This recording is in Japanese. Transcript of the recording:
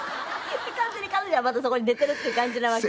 完全に彼女はまだそこに寝てるっていう感じなわけ？